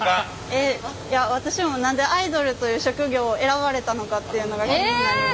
えっいや私も何でアイドルという職業を選ばれたのかっていうのが気になります。